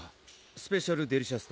スペシャルデリシャス